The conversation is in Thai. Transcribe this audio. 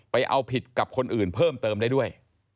เอาผิดกับคนอื่นเพิ่มเติมได้ด้วย